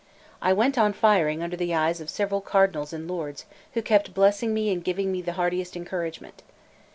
I went on firing under the eyes of several cardinals and lords, who kept blessing me and giving me the heartiest encouragement.